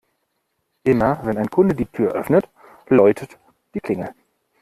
Immer, wenn ein Kunde die Tür öffnet, läutet die Klingel.